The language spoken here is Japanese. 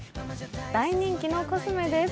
大人気のコスメです。